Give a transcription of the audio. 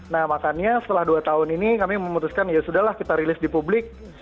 nah makanya setelah dua tahun ini kami memutuskan ya sudah lah kita rilis di publik